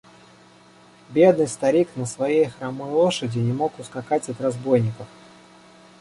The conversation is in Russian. Бедный старик на своей хромой лошади не мог ускакать от разбойников.